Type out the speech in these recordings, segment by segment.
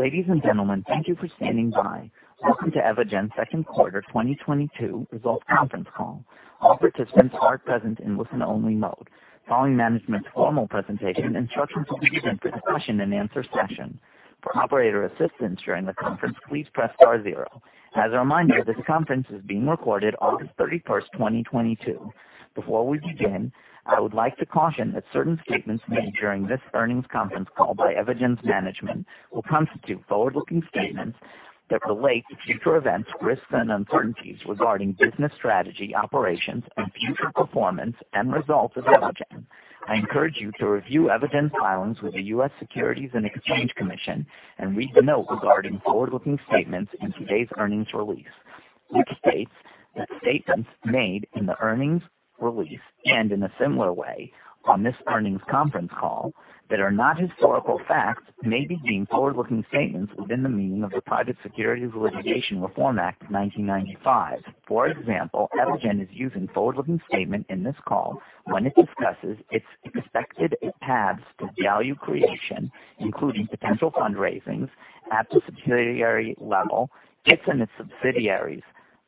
Ladies and gentlemen, thank you for standing by. Welcome to Evogene second quarter 2022 results conference call. All participants are present in listen-only mode. Following management's formal presentation, instructions will be given for the question and answer session. For operator assistance during the conference, please press star zero. As a reminder, this conference is being recorded August 31, 2022. Before we begin, I would like to caution that certain statements made during this earnings conference call by Evogene's management will constitute forward-looking statements that relate to future events, risks and uncertainties regarding business strategy, operations and future performance and results of Evogene. I encourage you to review Evogene's filings with the U.S. Securities and Exchange Commission and read the note regarding forward-looking statements in today's earnings release, which states that statements made in the earnings release and in a similar way on this earnings conference call that are not historical facts may be deemed forward-looking statements within the meaning of the Private Securities Litigation Reform Act of 1995. For example, Evogene is using forward-looking statement in this call when it discusses its expected paths to value creation, including potential fundraisings at the subsidiary level, its and its subsidiaries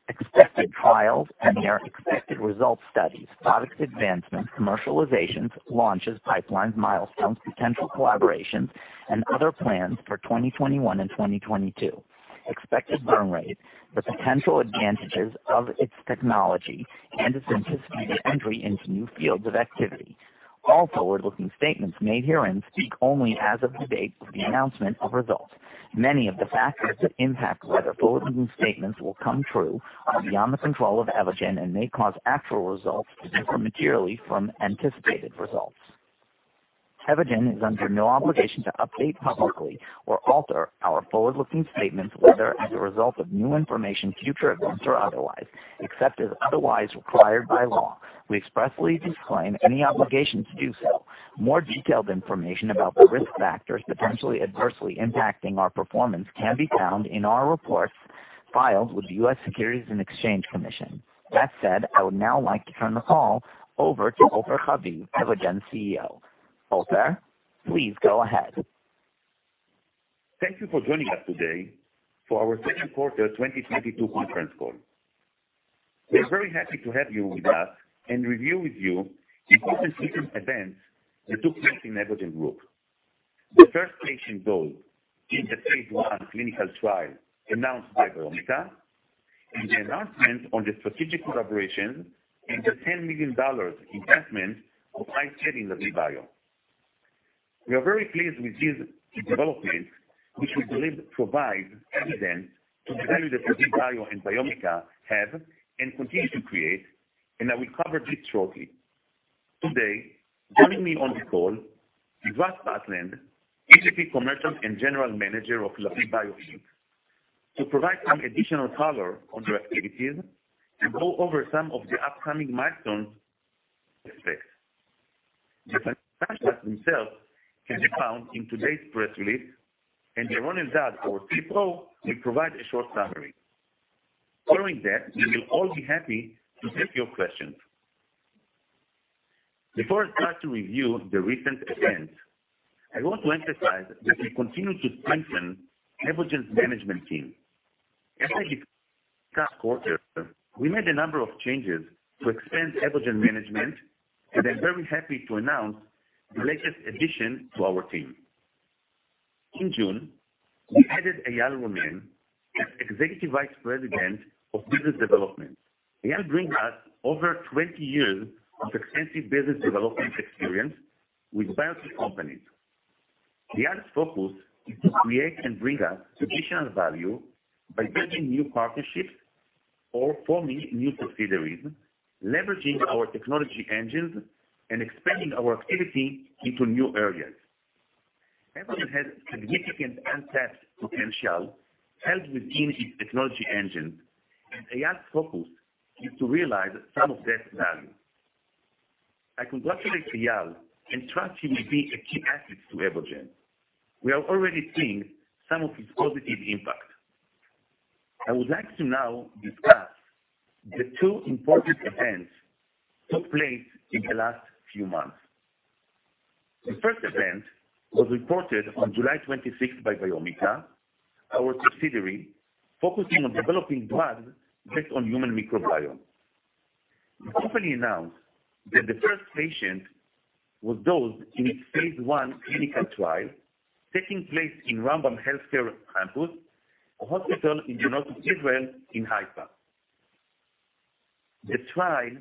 expected trials and their expected results studies, products advancements, commercializations, launches, pipelines, milestones, potential collaborations and other plans for 2021 and 2022. Expected burn rate, the potential advantages of its technology and its anticipated entry into new fields of activity. All forward-looking statements made herein speak only as of the date of the announcement of results. Many of the factors that impact whether forward-looking statements will come true are beyond the control of Evogene and may cause actual results to differ materially from anticipated results. Evogene is under no obligation to update publicly or alter our forward-looking statements, whether as a result of new information, future events or otherwise, except as otherwise required by law. We expressly disclaim any obligation to do so. More detailed information about the risk factors potentially adversely impacting our performance can be found in our reports filed with the U.S. Securities and Exchange Commission. That said, I would now like to turn the call over to Ofer Haviv, Evogene's CEO. Ofer, please go ahead. Thank you for joining us today for our second quarter 2022 conference call. We're very happy to have you with us and review with you the important recent events that took place in Evogene. The first patient dosed in the phase I clinical trial announced by Biomica and the announcement on the strategic collaboration and the $10 million investment of ICL in Lavie Bio. We are very pleased with these developments, which we believe provide evidence to the value that Lavie Bio and Biomica have and continue to create, and I will cover this shortly. Today, joining me on the call is Russ Putland, EVP, Commercial and General Manager of Lavie Bio, to provide some additional color on their activities and go over some of the upcoming milestones to expect. The financials themselves can be found in today's press release, and Yaron Eldad, our CFO, will provide a short summary. Following that, we will all be happy to take your questions. Before I start to review the recent events, I want to emphasize that we continue to strengthen Evogene's management team. As I described last quarter, we made a number of changes to expand Evogene management, and I'm very happy to announce the latest addition to our team. In June, we added Eyal Ronen as Executive Vice President of Business Development. Eyal brings us over 20 years of extensive business development experience with biotech companies. Eyal's focus is to create and bring us additional value by building new partnerships or forming new subsidiaries, leveraging our technology engines and expanding our activity into new areas. Evogene has significant untapped potential held within its technology engines, and Eyal's focus is to realize some of that value. I congratulate Eyal and trust he will be a key asset to Evogene. We are already seeing some of his positive impact. I would like to now discuss the two important events that took place in the last few months. The first event was reported on July twenty-sixth by Biomica, our subsidiary focusing on developing drugs based on human microbiome. We happily announced that the first patient was dosed in its phase I clinical trial taking place in Rambam Healthcare Campus, a hospital in northern Israel in Haifa. The trial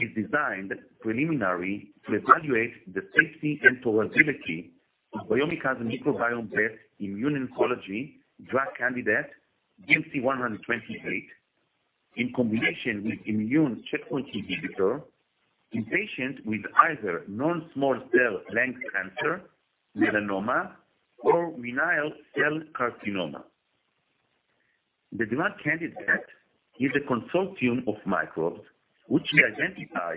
is designed to preliminarily evaluate the safety and tolerability of Biomica's microbiome-based immuno-oncology drug candidate, BMC128, in combination with immune checkpoint inhibitor in patients with either non-small cell lung cancer, melanoma or renal cell carcinoma. The drug candidate is a consortium of microbes which we identify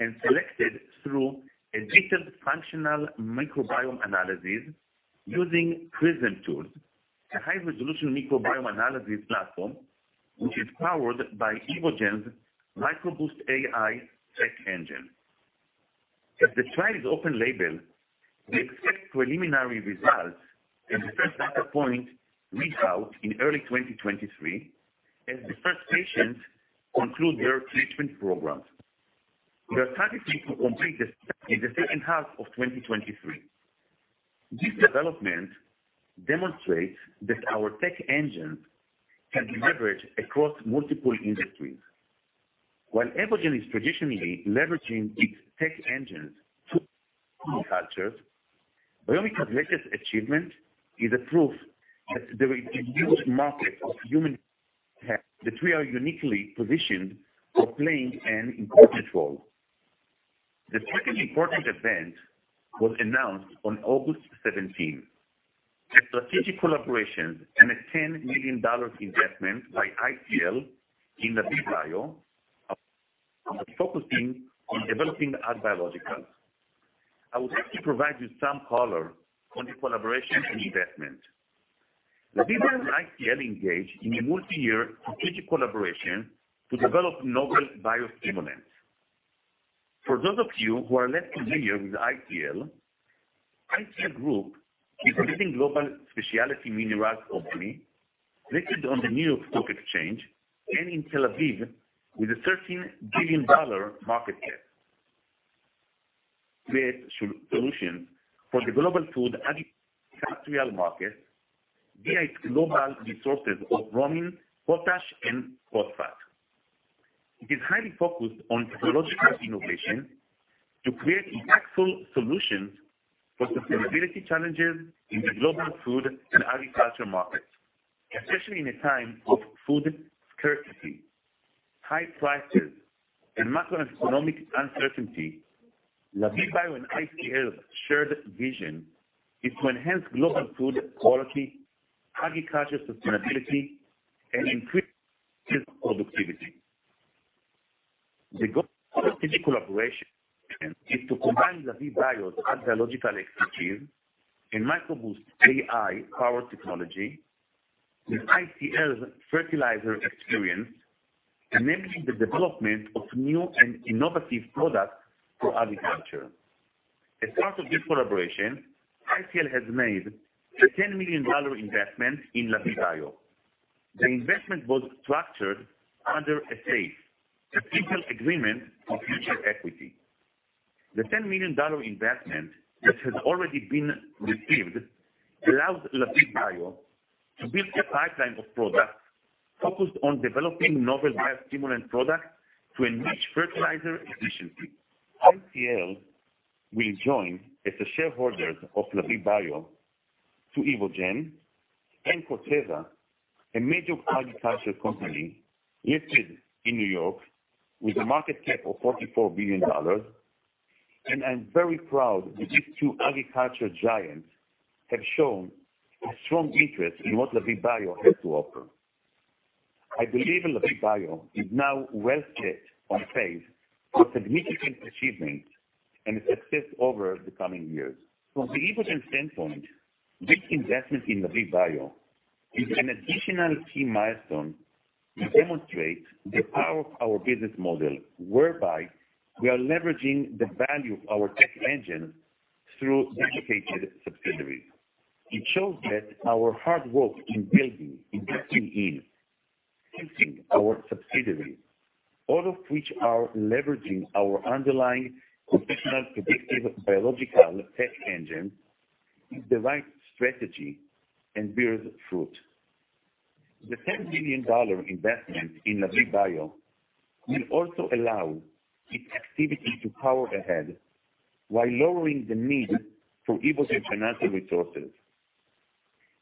and selected through a detailed functional microbiome analysis using PRISM, a high-resolution microbiome analysis platform, which is powered by Evogene's MicroBoost AI tech engine. As the trial is open label, we expect preliminary results and the first data point readout in early 2023 as the first patients conclude their treatment programs. We are targeting to complete the study in the second half of 2023. This development demonstrates that our tech engine can be leveraged across multiple industries. While Evogene is traditionally leveraging its tech engines to agriculture, Biomica's latest achievement is a proof that there is a huge market of human that we are uniquely positioned for playing an important role. The second important event was announced on August seventeenth. A strategic collaboration and a $10 million investment by ICL in Lavie Bio focusing on developing ag biologicals. I would like to provide you some color on the collaboration and investment. Lavie Bio and ICL engaged in a multi-year strategic collaboration to develop novel bio-stimulants. For those of you who are less familiar with ICL Group is a leading global specialty minerals company listed on the New York Stock Exchange and in Tel Aviv with a $13 billion market cap. Creates solutions for the global food, agriculture, and industrial market via its global resources of bromine, potash, and phosphate. It is highly focused on technological innovation to create impactful solutions for sustainability challenges in the global food and agriculture market, especially in a time of food scarcity, high prices, and macroeconomic uncertainty. Lavie Bio and ICL shared vision is to enhance global food quality, agriculture sustainability, and increase productivity. The goal of the collaboration is to combine Lavie Bio's ag-biological expertise in MicroBoost AI-powered technology with ICL's fertilizer experience, enabling the development of new and innovative products for agriculture. As part of this collaboration, ICL has made a $10 million investment in Lavie Bio. The investment was structured under a SAFE, a simple agreement for future equity. The $10 million investment, which has already been received, allows Lavie Bio to build a pipeline of products focused on developing novel bio-stimulant products to enrich fertilizer efficiency. ICL will join as a shareholder of Lavie Bio to Evogene and Corteva, a major agriculture company listed in New York with a market cap of $44 billion, and I'm very proud that these two agriculture giants have shown a strong interest in what Lavie Bio has to offer. I believe Lavie Bio is now well set on pace for significant achievement and success over the coming years. From the Evogene standpoint, this investment in Lavie Bio is an additional key milestone to demonstrate the power of our business model, whereby we are leveraging the value of our tech engine through dedicated subsidiaries. It shows that our hard work in building, investing in, our subsidiaries, all of which are leveraging our underlying computational predictive biological tech engine, is the right strategy and bears fruit. The $10 million investment in Lavie Bio will also allow its activity to power ahead while lowering the need for Evogene financial resources.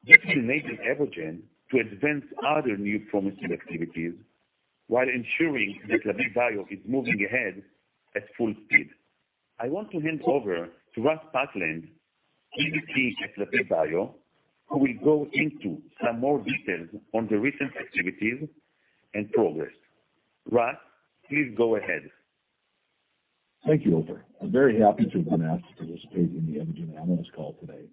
This enables Evogene to advance other new promising activities while ensuring that Lavie Bio is moving ahead at full speed. I want to hand over to Russ Putland, EVP at Lavie Bio, who will go into some more details on the recent activities and progress. Russ, please go ahead. Thank you, Ofer. I'm very happy to have been asked to participate in the Evogene analyst call today.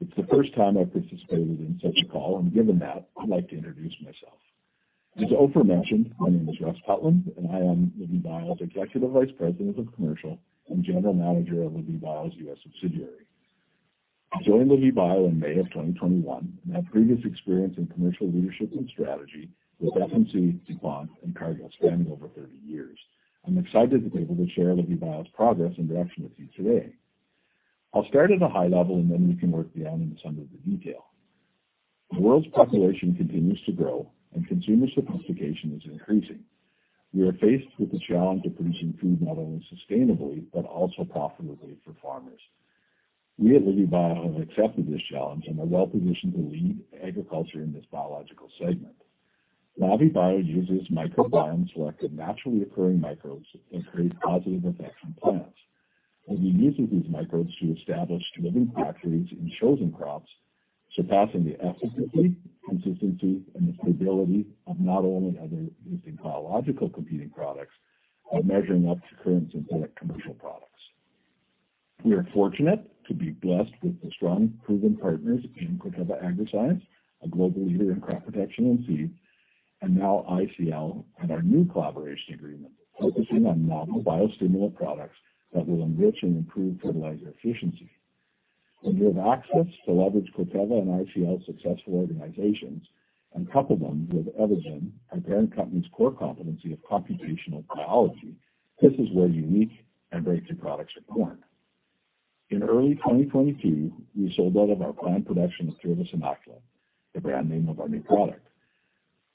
It's the first time I've participated in such a call, and given that, I'd like to introduce myself. As Ofer mentioned, my name is Russ Putland, and I am Lavie Bio's Executive Vice President of Commercial and General Manager of Lavie Bio's U.S. subsidiary. I joined Lavie Bio in May 2021 and have previous experience in commercial leadership and strategy with FMC, DuPont, and Cargill spanning over 30 years. I'm excited to be able to share Lavie Bio's progress and direction with you today. I'll start at a high level, and then we can work down into some of the detail. The world's population continues to grow, and consumer sophistication is increasing. We are faced with the challenge of producing food not only sustainably but also profitably for farmers. We at Lavie Bio have accepted this challenge and are well-positioned to lead agriculture in this biological segment. Lavie Bio uses microbiome-selected, naturally occurring microbes that create positive effects on plants. We're using these microbes to establish living factories in chosen crops, surpassing the efficacy, consistency, and the stability of not only other existing biological competing products, but measuring up to current synthetic commercial products. We are fortunate to be blessed with the strong proven partners in Corteva Agriscience, a global leader in crop protection and seed, and now ICL and our new collaboration agreement, focusing on novel biostimulant products that will enrich and improve fertilizer efficiency. When you have access to leverage Corteva and ICL successful organizations and couple them with Evogene, our parent company's core competency of computational biology, this is where unique and breakthrough products are born. In early 2022, we sold out of our plant production of Thrivus Inoculant, the brand name of our new product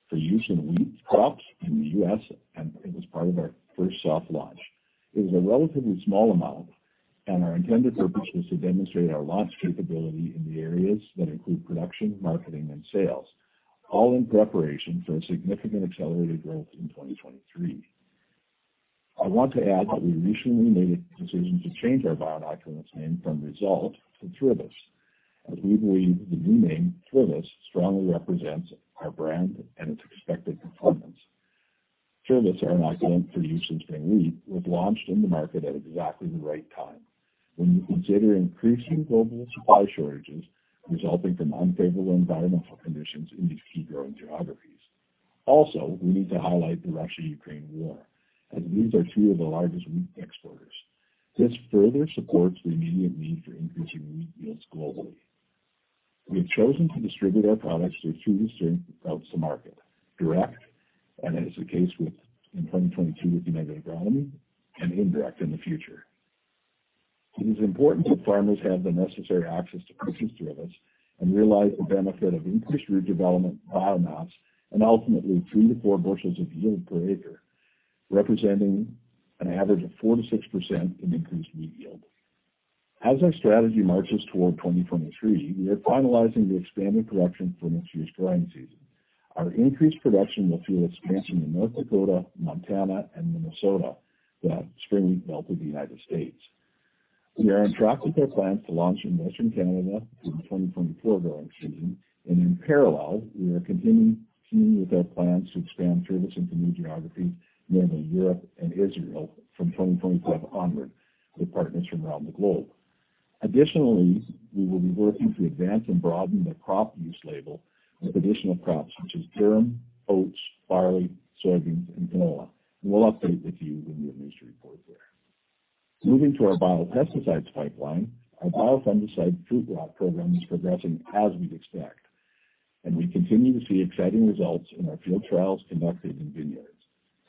for use in wheat crops in the U.S., and it was part of our first soft launch. It was a relatively small amount, and our intended purpose was to demonstrate our launch capability in the areas that include production, marketing, and sales, all in preparation for a significant accelerated growth in 2023. I want to add that we recently made a decision to change our bio-inoculant's name from Result to Thrivus, as we believe the new name, Thrivus, strongly represents our brand and its expected performance. Thrivus, our inoculant for use in spring wheat, was launched in the market at exactly the right time. When you consider increasing global supply shortages resulting from unfavorable environmental conditions in these key growing geographies. Also, we need to highlight the Russia-Ukraine war, as these are two of the largest wheat exporters. This further supports the immediate need for increasing wheat yields globally. We have chosen to distribute our products through two distinct routes to market, direct, and as was the case within 2022 with United Agronomy, and indirect in the future. It is important that farmers have the necessary access to purchase Thrivus and realize the benefit of increased root development, biomass, and ultimately 3-4 bushels of yield per acre, representing an average of 4%-6% in increased wheat yield. As our strategy marches toward 2023, we are finalizing the expanded production for next year's growing season. Our increased production will fuel expansion in North Dakota, Montana, and Minnesota, the spring wheat belt of the United States. We are on track with our plans to launch in Western Canada for the 2024 growing season, and in parallel, we are continuing with our plans to expand Thrivus into new geographies, namely Europe and Israel from 2025 onward, with partners from around the globe. Additionally, we will be working to advance and broaden the crop use label with additional crops such as durum, oats, barley, soybeans, and canola. We'll update with you when we have news to report there. Moving to our biopesticides pipeline. Our biofungicide fruit rot program is progressing as we expect, and we continue to see exciting results in our field trials conducted in vineyards.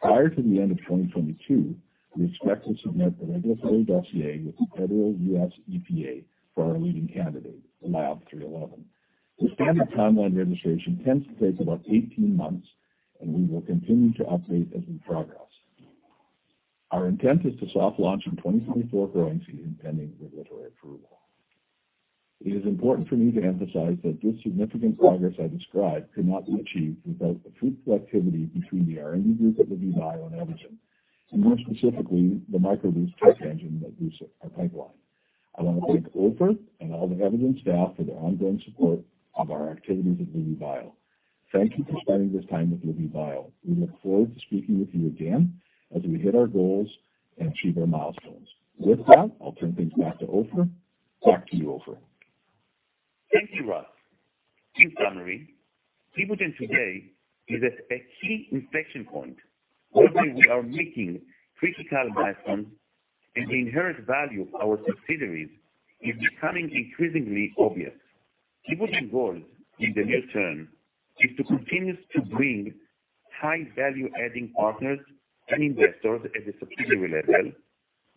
Prior to the end of 2022, we expect to submit the regulatory dossier with the federal U.S. EPA for our leading candidate, the LAV311. The standard timeline registration tends to take about 18 months, and we will continue to update as we progress. Our intent is to soft launch in 2024 growing season, pending regulatory approval. It is important for me to emphasize that this significant progress I described could not be achieved without the fruitful activity between the R&D group at Lavie Bio and Evogene, and more specifically, the MicroBoost AI tech engine that boosts our pipeline. I wanna thank Ofer and all the Evogene staff for their ongoing support of our activities at Lavie Bio. Thank you for spending this time with Lavie Bio. We look forward to speaking with you again as we hit our goals and achieve our milestones. With that, I'll turn things back to Ofer. Back to you, Ofer. Thank you, Russ. In summary, Evogene today is at a key inflection point where we are making critical milestones, and the inherent value of our subsidiaries is becoming increasingly obvious. Evogene's goal in the near term is to continue to bring high value-adding partners and investors at the subsidiary level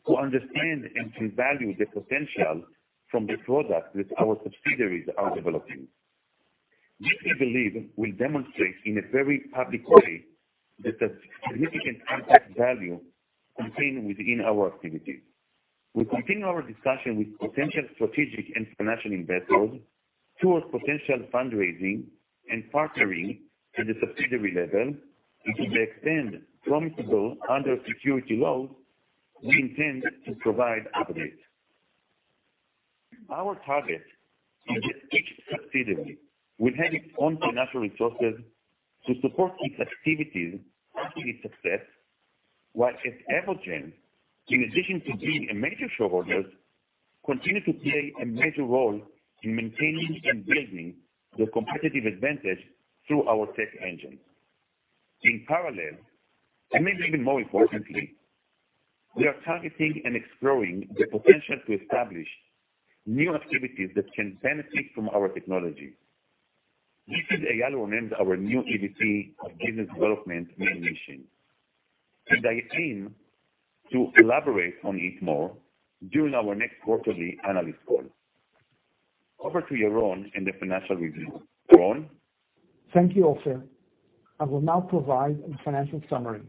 who understand and can value the potential from the products that our subsidiaries are developing. This, we believe, will demonstrate in a very public way that the significant untapped value contained within our activities. We continue our discussion with potential strategic and financial investors towards potential fundraising and partnering at the subsidiary level. To the extent permissible under securities laws, we intend to provide updates. Our target is that each subsidiary will have its own financial resources to support its activities and its success. While at Evogene, in addition to being a major shareholder, continue to play a major role in maintaining and building the competitive advantage through our tech engine. In parallel, and maybe even more importantly, we are targeting and exploring the potential to establish new activities that can benefit from our technology. This is Eyal, who runs our new BDI, business development initiative, and I aim to elaborate on it more during our next quarterly analyst call. Over to Yaron and the financial review. Yaron? Thank you, Ofer. I will now provide a financial summary.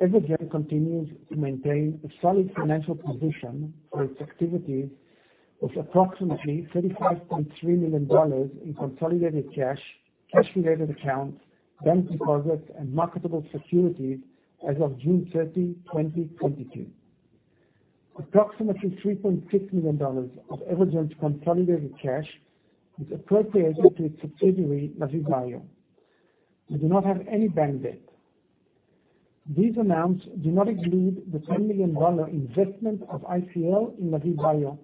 Evogene continues to maintain a solid financial position for its activities of approximately $35.3 million in consolidated cash-related accounts, bank deposits, and marketable securities as of June 30, 2022. Approximately $3.6 million of Evogene's consolidated cash is allocated to its subsidiary, Lavie Bio. We do not have any bank debt. These amounts do not include the $10 million investment of ICL in Lavie Bio,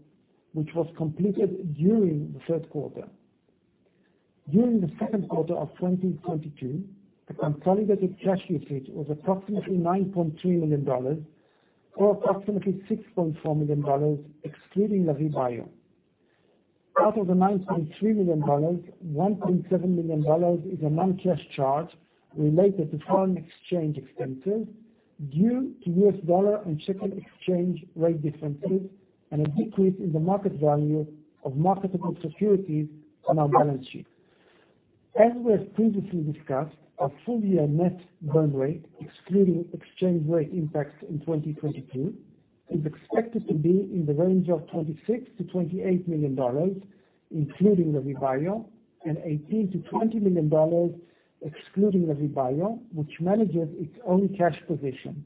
which was completed during the third quarter. During the second quarter of 2022, the consolidated cash usage was approximately $9.3 million, or approximately $6.4 million excluding Lavie Bio. Out of the $9.3 million, $1.7 million is a non-cash charge related to foreign exchange expenses due to U.S. dollar and shekel exchange rate differences, and a decrease in the market value of marketable securities on our balance sheet. As we have previously discussed, our full-year net burn rate excluding exchange rate impacts in 2022 is expected to be in the range of $26 million-$28 million, including Lavie Bio, and $18 million-$20 million excluding Lavie Bio, which manages its own cash position.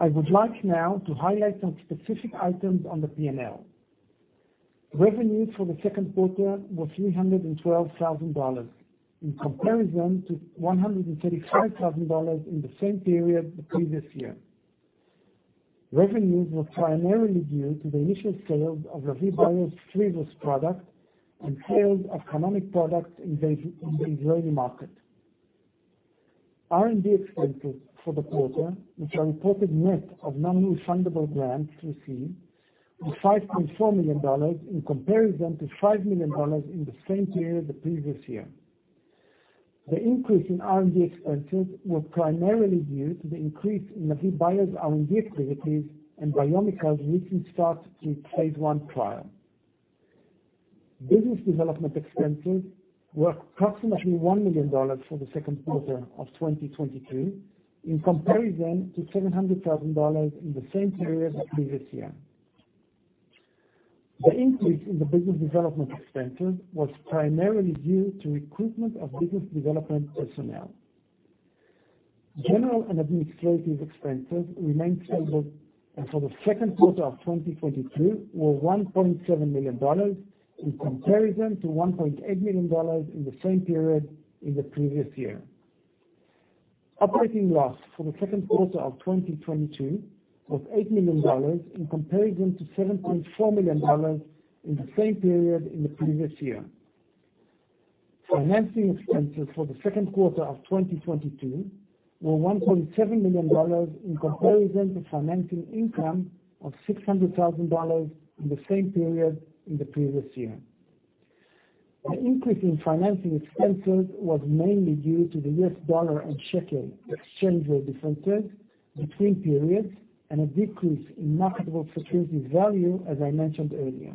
I would like now to highlight some specific items on the P&L. Revenues for the second quarter were $312,000 in comparison to $135,000 in the same period the previous year. Revenues were primarily due to the initial sale of Lavie Bio's Thrivus product and sales of Canonic products in the Israeli market. R&D expenses for the quarter, which are reported net of non-refundable grants received, was $5.4 million in comparison to $5 million in the same period the previous year. The increase in R&D expenses was primarily due to the increase in Lavie Bio's R&D activities and Biomica's recent start to its phase one trial. Business development expenses were approximately $1 million for the second quarter of 2022 in comparison to $700,000 in the same period the previous year. The increase in the business development expenses was primarily due to recruitment of business development personnel. General and administrative expenses remained stable, and for the second quarter of 2022 were $1.7 million in comparison to $1.8 million in the same period in the previous year. Operating loss for the second quarter of 2022 was $8 million in comparison to $7.4 million in the same period in the previous year. Financing expenses for the second quarter of 2022 were $1.7 million in comparison to financing income of $600,000 in the same period in the previous year. The increase in financing expenses was mainly due to the U.S. dollar and shekel exchange rate differences between periods and a decrease in marketable securities value, as I mentioned earlier.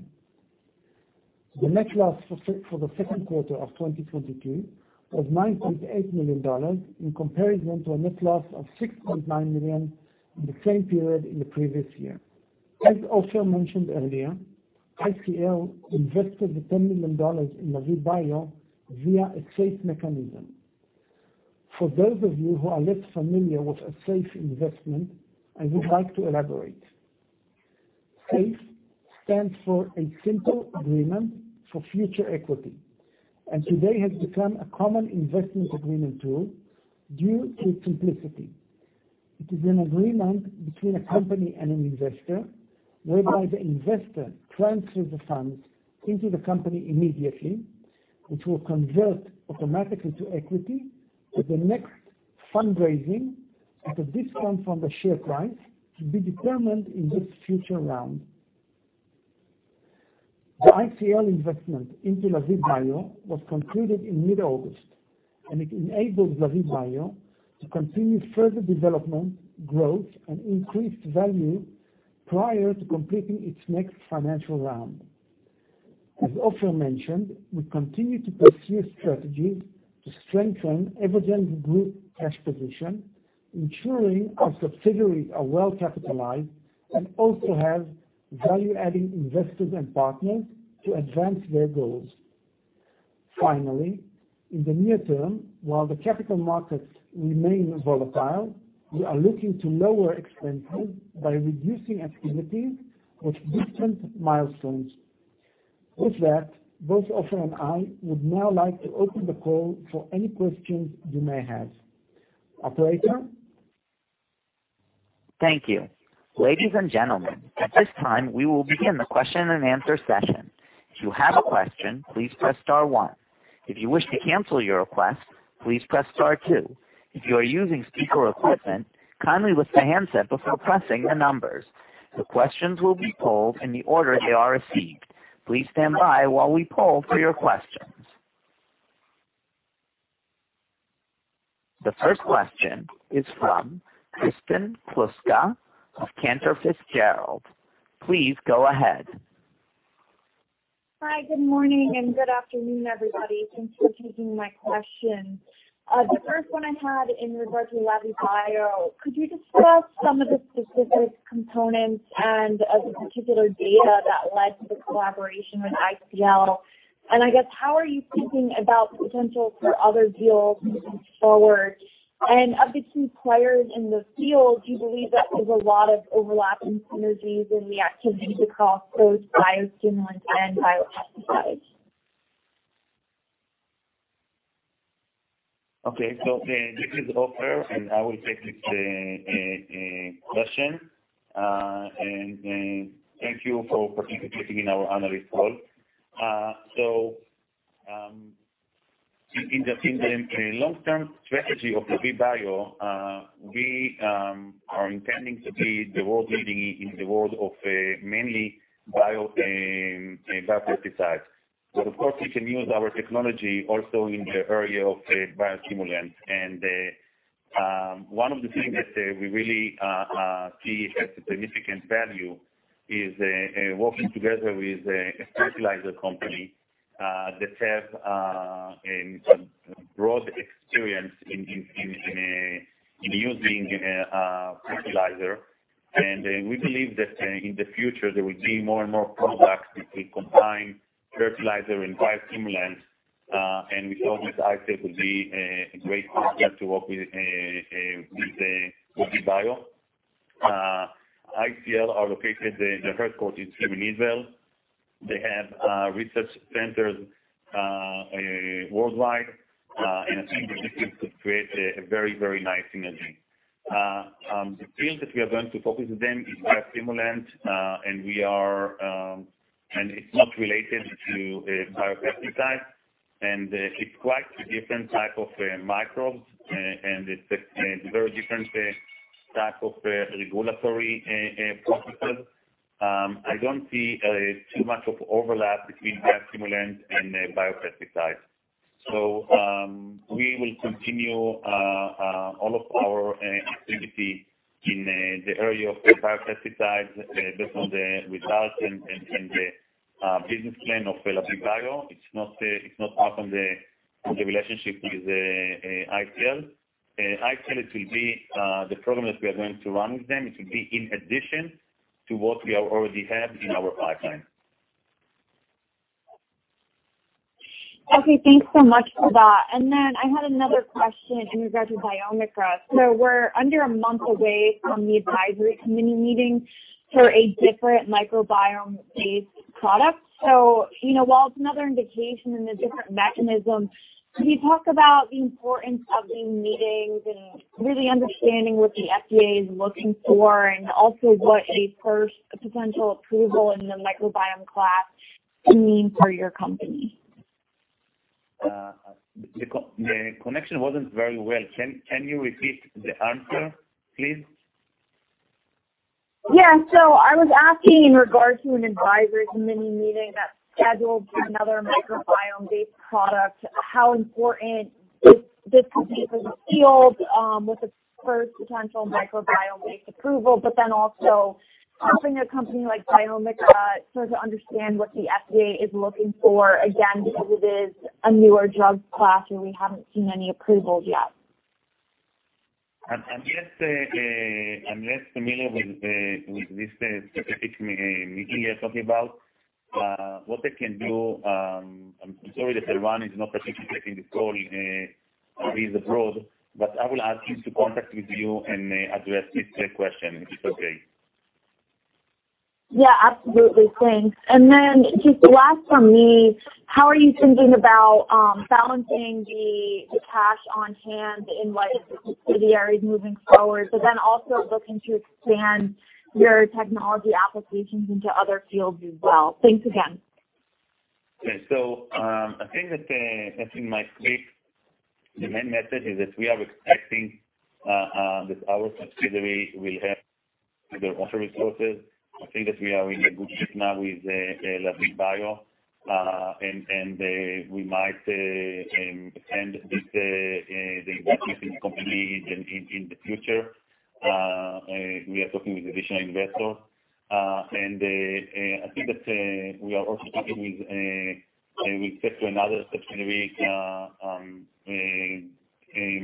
The net loss for the second quarter of 2022 was $9.8 million in comparison to a net loss of $6.9 million in the same period in the previous year. Ofer mentioned earlier, ICL invested $10 million in Lavie Bio via a SAFE mechanism. For those of you who are less familiar with a SAFE investment, I would like to elaborate. SAFE stands for a simple agreement for future equity, and today has become a common investment agreement tool due to its simplicity. It is an agreement between a company and an investor, whereby the investor transfers the funds into the company immediately, which will convert automatically to equity at the next fundraising at a discount from the share price to be determined in this future round. The ICL investment into Lavie Bio was concluded in mid-August, and it enabled Lavie Bio to continue further development, growth, and increase value prior to completing its next financial round. As Ofer mentioned, we continue to pursue strategies to strengthen Evogene group cash position, ensuring our subsidiaries are well capitalized and also have value-adding investors and partners to advance their goals. Finally, in the near term, while the capital markets remain volatile, we are looking to lower expenses by reducing activities with distant milestones. With that, both Ofer and I would now like to open the call for any questions you may have. Operator? Thank you. Ladies and gentlemen, at this time we will begin the question and answer session. If you have a question, please press star one. If you wish to cancel your request, please press star two. If you are using speaker equipment, kindly lift the handset before pressing the numbers. The questions will be polled in the order they are received. Please stand by while we poll for your questions. The first question is from Kristen Kluska of Cantor Fitzgerald. Please go ahead. Hi. Good morning and good afternoon, everybody. Thanks for taking my question. The first one I had in regards to Lavie Bio, could you discuss some of the specific components and, the particular data that led to the collaboration with ICL? And I guess, how are you thinking about potential for other deals moving forward? And of the two players in the field, do you believe that there's a lot of overlap in synergies in the activities across those biostimulants and biopesticides? Okay. This is Ofer, and I will take this question. Thank you for participating in our analyst call. In the long-term strategy of Lavie Bio, we are intending to be the world leading in the world of mainly bio biopesticides. But of course, we can use our technology also in the area of biostimulants. One of the things that we really see has a significant value is working together with a fertilizer company that have a broad experience in using fertilizer. We believe that in the future there will be more and more products that will combine fertilizer and biostimulants, and we thought that ICL will be a great partner to work with Lavie Bio. ICL are located. The headquarters is in Israel. They have research centers worldwide, and I think that this could create a very nice synergy. The field that we are going to focus with them is biostimulant, and it's not related to biopesticide, and it's quite a different type of microbes, and it's a very different type of regulatory processes. I don't see too much of overlap between biostimulant and biopesticides. We will continue all of our activity in the area of biopesticides based on the results and the business plan of Lavie Bio. It's not out of the relationship with ICL. ICL it will be the program that we are going to run with them, it will be in addition to what we already have in our pipeline. Okay, thanks so much for that. I had another question in regards to Biomica. We're under a month away from the advisory committee meeting for a different microbiome-based product. You know, while it's another indication and a different mechanism, can you talk about the importance of these meetings and really understanding what the FDA is looking for and also what a first potential approval in the microbiome class mean for your company? The connection wasn't very well. Can you repeat the answer, please? Yeah. I was asking in regards to an advisory committee meeting that's scheduled for another microbiome-based product, how important this could be for the field, with the first potential microbiome-based approval, but then also helping a company like Biomica start to understand what the FDA is looking for, again, because it is a newer drug class, and we haven't seen any approvals yet. I'm less familiar with this specific meeting you're talking about. What I can do, I'm sorry that Eran is not participating in this call, he's abroad, but I will ask him to contact with you and address the question, if it's okay. Yeah, absolutely. Thanks. Then just last from me, how are you thinking about balancing the cash on hand in light of the subsidiaries moving forward, but then also looking to expand your technology applications into other fields as well? Thanks again. I think the main message is that we are expecting that our subsidiary will have their own resources. I think that we are in good shape now with Lavie Bio, and we might expand with the investment in the company in the future. We are talking with additional investors. I think that we are also talking with respect to another subsidiary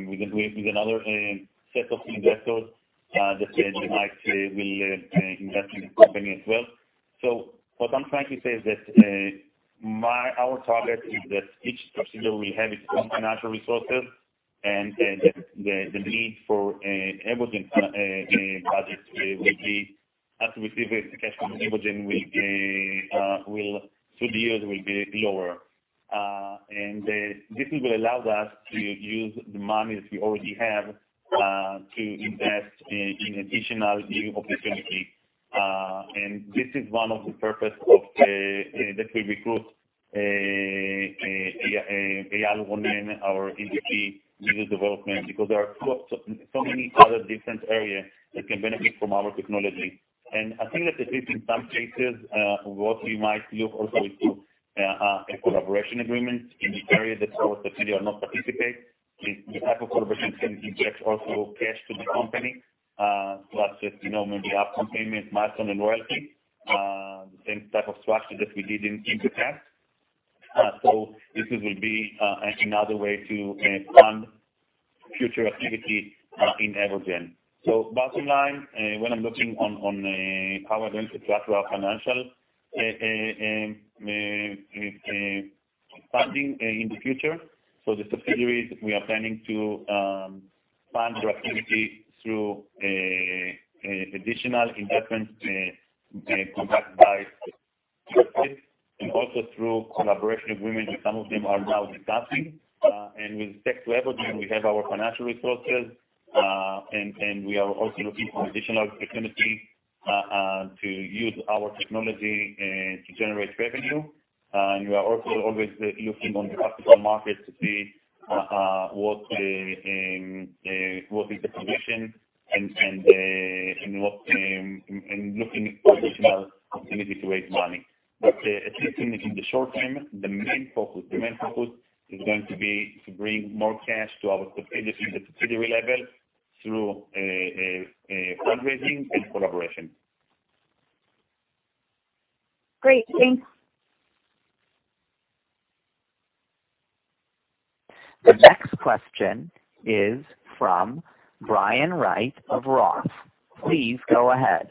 with another set of investors that they will invest in the company as well. What I'm trying to say is that our target is that each subsidiary will have its own financial resources, and the need for Evogene budget will be after we see verification from Evogene will be lower. The years will be lower. This is what allows us to use the monies we already have to invest in additional new opportunities. This is one of the purpose of that we recruit Eyal Ronen, our EVP Business Development, because there are so many other different areas that can benefit from our technology. I think that at least in some cases, what we might look also into a collaboration agreement in the area that our subsidiary are not participate. The type of collaboration can inject also cash to the company, plus, as you know, maybe upfront payment, milestone and royalty, the same type of structure that we did in Impetika. This will be another way to fund future activity in Evogene. Bottom line, when I'm looking on how we're going to structure our financial funding in the future for the subsidiaries, we are planning to fund our activity through additional investments conducted by and also through collaboration agreement with some of them are now discussing, and with respect to Evogene, we have our financial resources, and we are also looking for additional opportunity to use our technology to generate revenue. We are also always looking on the public market to see what is the condition and looking at additional opportunity to raise money. At least in the short term, the main focus is going to be to bring more cash to our subsidiary at the subsidiary level through fundraising and collaboration. Great. Thanks. The next question is from Brian Wright of Roth. Please go ahead.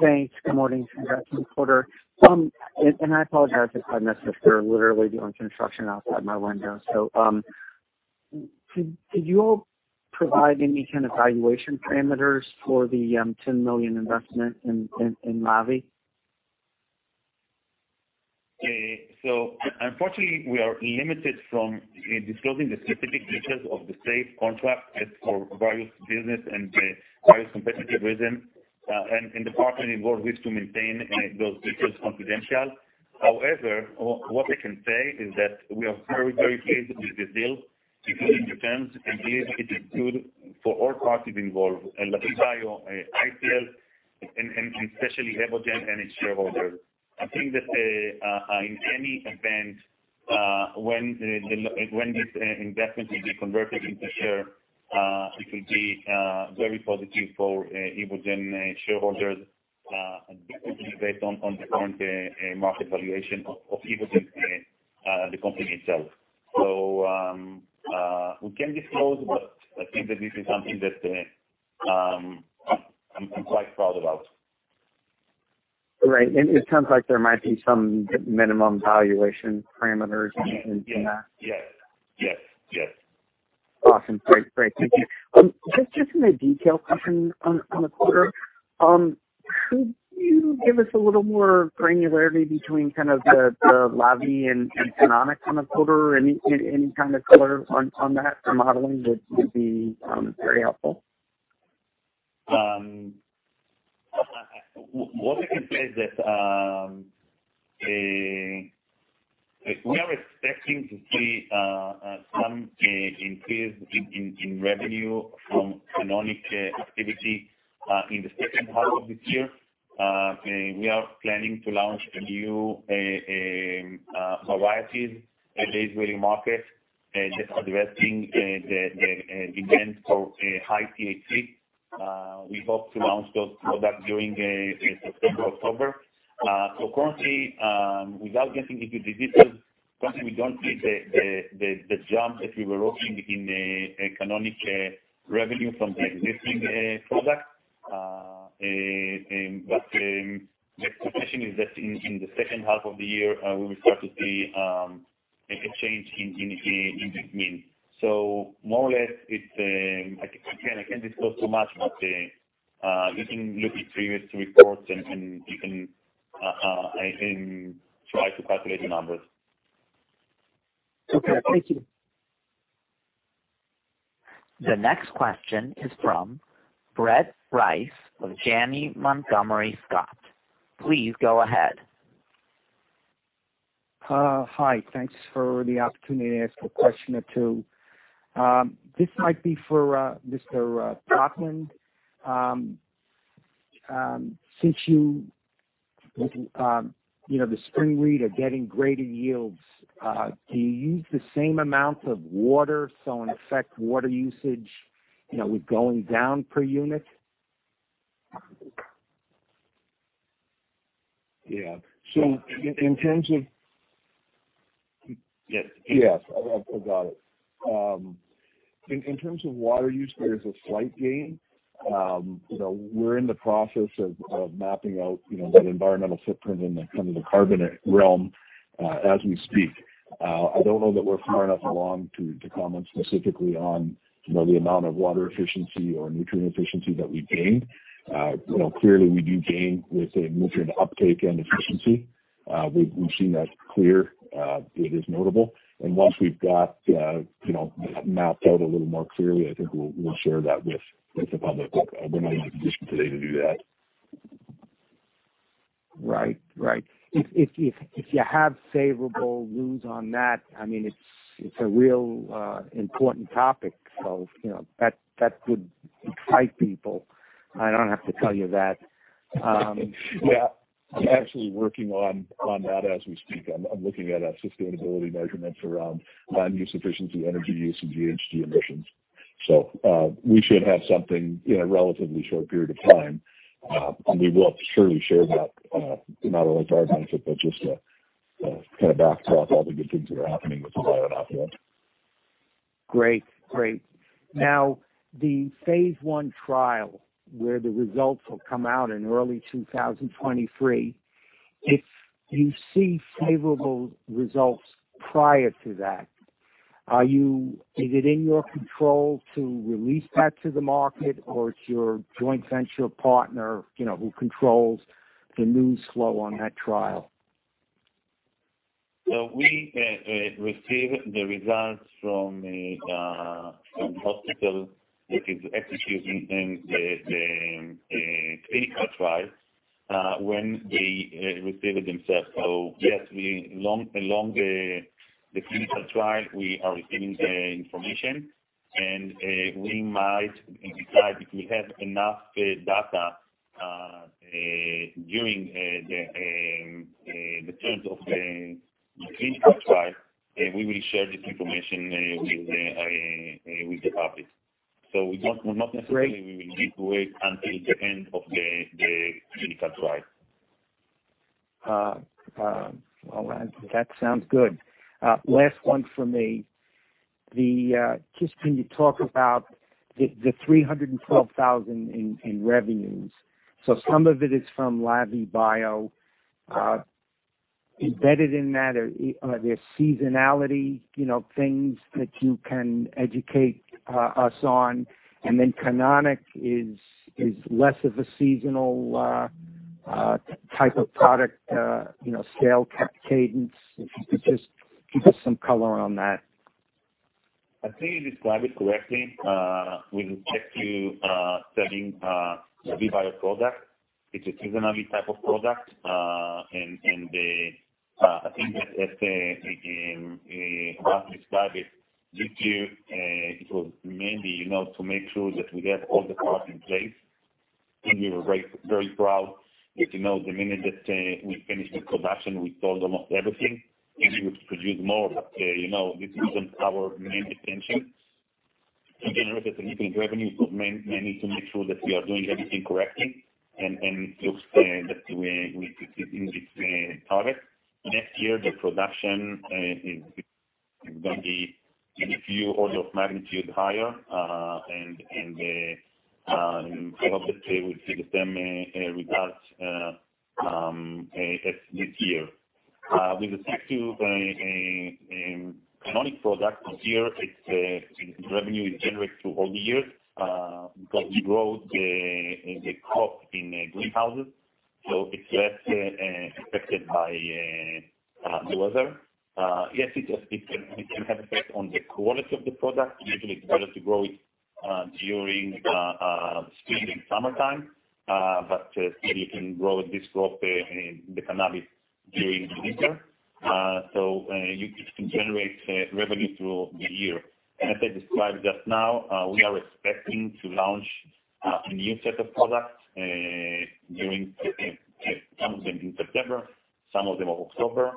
Thanks. Good morning. Thanks, reporter. And I apologize if I'm missing. They're literally doing construction outside my window. Could you all provide any kind of evaluation parameters for the $10 million investment in Lavie? Unfortunately, we are limited from disclosing the specific details of the SAFE contract as for various business and various competitive reasons, and the partners involved wish to maintain those details confidential. However, what I can say is that we are very pleased with this deal. It really depends. I believe it is good for all parties involved, Lavie Bio, ICL, and especially Evogene and its shareholders. I think that in any event, when this investment will be converted into shares, it will be very positive for Evogene shareholders, definitely based on the current market valuation of Evogene, the company itself. We can't disclose, but I think that this is something that I'm quite proud about. Right. It sounds like there might be some minimum valuation parameters in that. Yeah. Yes. Yes. Yes. Awesome. Great. Thank you. Just in a detail question on the quarter, could you give us a little more granularity between kind of the Lavie and Canonic kind of quarter? Any kind of color on that for modeling would be very helpful. What we can say is that we are expecting to see some increase in revenue from Canonic activity in the second half of this year. We are planning to launch a new varieties in the Israeli market just addressing the demand for a high THC. We hope to launch those products during September, October. Currently, without getting into the details, we don't see the jump that we were hoping in the Canonic revenue from the existing product. The expectation is that in the second half of the year, we will start to see a change in this vein. More or less it's again, I can't disclose too much, but you can look at previous reports and you can, I think try to calculate the numbers. Okay, thank you. The next question is from Brett Reiss of Janney Montgomery Scott. Please go ahead. Hi. Thanks for the opportunity to ask a question or two. This might be for Mr. Putland. Since you know, the Springleaf are getting greater yields, do you use the same amount of water? In effect, water usage, you know, with going down per unit? Yeah. In terms of. Yes. Yes. I forgot it. In terms of water usage, there's a slight gain. You know, we're in the process of mapping out, you know, the environmental footprint in the kind of carbon realm as we speak. I don't know that we're far enough along to comment specifically on, you know, the amount of water efficiency or nutrient efficiency that we gained. You know, clearly we do gain with a nutrient uptake and efficiency. We've seen that clear. It is notable. Once we've got, you know, mapped out a little more clearly, I think we'll share that with the public. We're not in a position today to do that. Right. If you have favorable news on that, I mean, it's a real important topic. You know, that could excite people. I don't have to tell you that. Yeah. I'm actually working on that as we speak. I'm looking at our sustainability measurements around land use efficiency, energy use and GHG emissions. We should have something in a relatively short period of time, and we will surely share that, not only with our investors, but just to kind of back up all the good things that are happening with the environment. Great. Now, the phase 1 trial, where the results will come out in early 2023. If you see favorable results prior to that, is it in your control to release that to the market or it's your joint venture partner, you know, who controls the news flow on that trial? We receive the results from the hospital, which is executing in the clinical trial, when they receive it themselves. Yes, we along the clinical trial, we are receiving the information and we might decide if we have enough data during the terms of the clinical trial, then we will share this information with the public. We don't. We're not necessarily we will wait until the end of the clinical trial. Well, that sounds good. Last one for me. Can you talk about the $312,000 in revenues. Some of it is from Lavie Bio. Embedded in that, are there seasonality, you know, things that you can educate us on? Canonic is less of a seasonal type of product, you know, sales cadence. If you could just give us some color on that. I think you described it correctly. With respect to selling Lavie Bio product, it's a seasonality type of product. I think that as Rob described it, this year it was mainly, you know, to make sure that we have all the products in place. I think we were very, very proud that, you know, the minute that we finished the production, we sold almost everything. Maybe we could produce more, but, you know, this isn't our main intention. To generate a significant revenue, we may need to make sure that we are doing everything correctly and to understand that we hit this target. Next year, the production is gonna be in a few orders of magnitude higher. Hopefully we'll see the same results as this year. With respect to Canonic product, this year its revenue is generated through all the year, because we grow the crop in the greenhouses, so it's less affected by the weather. Yes, it does. It can have effect on the quality of the product. Usually it's better to grow it during spring and summertime, but you can grow this crop, the cannabis during the winter. You can generate revenue through the year. As I described just now, we are expecting to launch a new set of products, during some of them in September, some of them in October.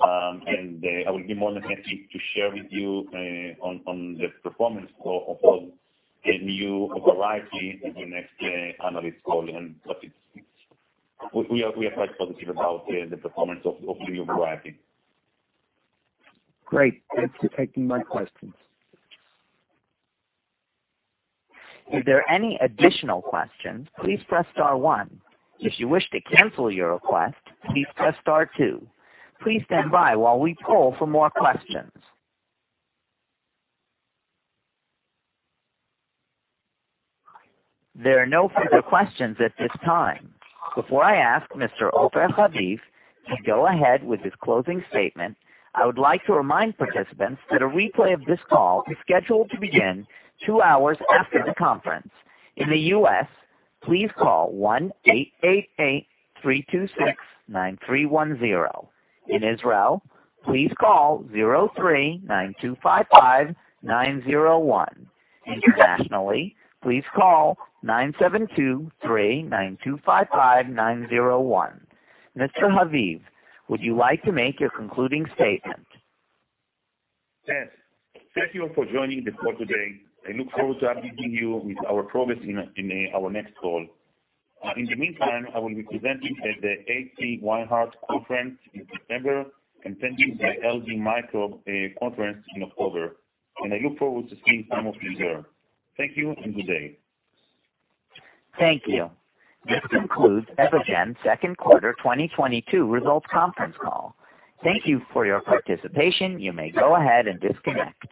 I will be more than happy to share with you on the performance of the new variety in the next analyst call. We are quite positive about the performance of the new variety. Great. Thanks for taking my questions. If there are any additional questions, please press star one. If you wish to cancel your request, please press star two. Please stand by while we poll for more questions. There are no further questions at this time. Before I ask Mr. Ofer Haviv to go ahead with his closing statement, I would like to remind participants that a replay of this call is scheduled to begin 2 hours after the conference. In the U.S., please call 1-888-326-9310. In Israel, please call 03-925-5901. Internationally, please call 972-3-925-5901. Mr. Haviv, would you like to make your concluding statement? Yes. Thank you for joining the call today. I look forward to updating you with our progress in our next call. In the meantime, I will be presenting at the H.C. Wainwright conference in September and attending the LD Micro conference in October, and I look forward to seeing some of you there. Thank you and good day. Thank you. This concludes Evogene second quarter 2022 results conference call. Thank you for your participation. You may go ahead and disconnect.